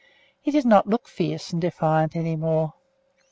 He did not look fierce and defiant any more.